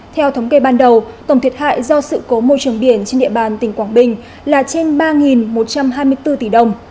theo thống kê ban đầu tổng thiệt hại do sự cố môi trường biển trên địa bàn tỉnh quảng bình là trên ba một trăm hai mươi bốn tỷ đồng